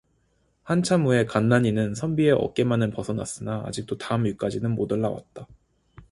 한참 후에 간난이는 선비의 어깨만은 벗어났으나 아직도 담 위까지는 못 올라왔다.